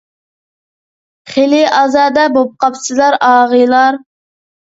خېلى ئازادە بوپقاپسىلەر، ئاغىلار.